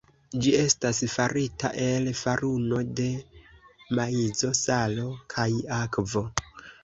Ĝi estas farita el faruno de maizo, salo kaj akvo.